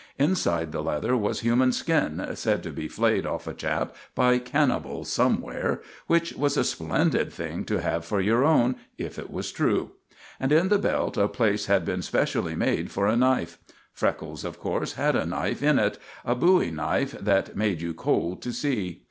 Inside the leather was human skin, said to be flayed off a chap by cannibals somewhere, which was a splendid thing to have for your own, if it was true; and in the belt a place had been specially made for a knife. Freckles, of course, had a knife in it a "bowie" knife that made you cold to see.